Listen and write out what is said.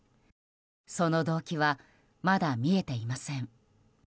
その動機はまだ見えていません。